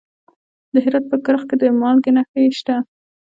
د هرات په کرخ کې د مالګې نښې شته.